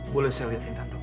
boleh saya lihat intan